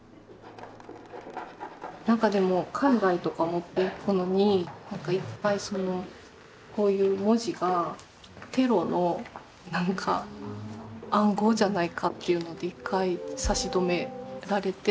何かでも海外とか持っていくのに一回こういう文字がテロの何か暗号じゃないかっていうので一回差し止められて。